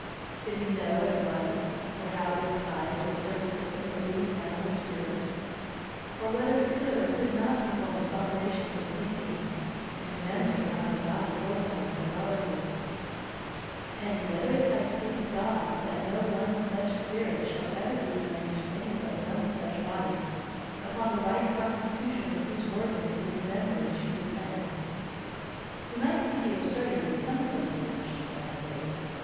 Did we know what it was; or how it was tied to a certain system of fleeting animal spirits; or whether it could or could not perform its operations of thinking and memory out of a body organized as ours is; and whether it has pleased God that no one such spirit shall ever be united to any but one such body, upon the right constitution of whose organs its memory should depend; we might see the absurdity of some of those suppositions I have made.